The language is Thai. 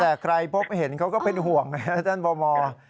แต่ใครพบเห็นเขาก็เป็นห่วงนะครับท่านบม